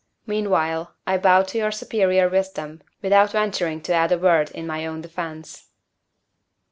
Meanwhile, I bow to superior wisdom, without venturing to add a word in my own defense.